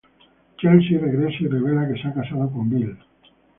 Chelsea regresa y revela que se ha casado con Bill.